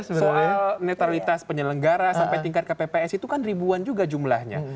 soal netralitas penyelenggara sampai tingkat kpps itu kan ribuan juga jumlahnya